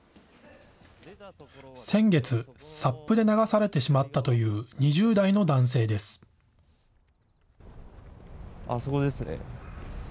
先月、ＳＵＰで流されてしまったという２０代の男性です。